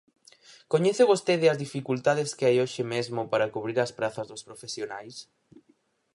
¿Coñece vostede as dificultades que hai hoxe mesmo para cubrir as prazas dos profesionais?